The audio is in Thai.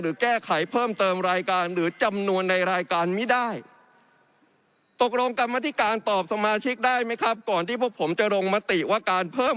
แก้ไขเพิ่มเติมรายการหรือจำนวนในรายการไม่ได้